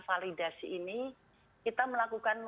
validasi ini kita melakukan